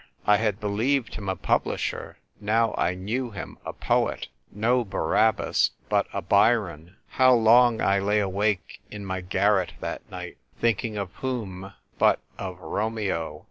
I had believed him a pub lisher; now I knew him a poet. No Barab bas, but a Byron. How long I lay awake in my garret that night — thinking of whom but of Romeo